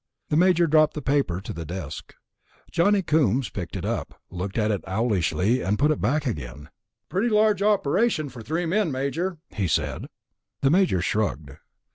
The Major dropped the paper to the desk. Johnny Coombs picked it up, looked at it owlishly, and put it back again. "Pretty large operation for three men, Major," he said. The Major shrugged.